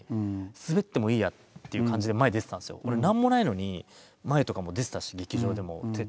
何もないのに前とかも出てたし劇場でも。